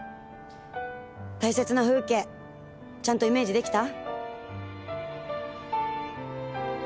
大切な風景ちゃんとイメージできた？